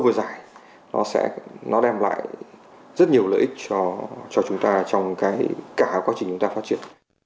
về lâu vừa dài nó sẽ đem lại rất nhiều lợi ích cho chúng ta trong cả quá trình chúng ta phát triển